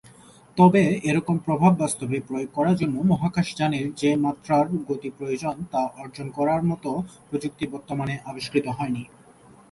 তবে এরকম প্রভাব বাস্তবে প্রয়োগ করার জন্য মহাকাশযানের যে মাত্রার গতি প্রয়োজন, তা অর্জন করার মত প্রযুক্তি বর্তমানে আবিষ্কৃত হয়নি।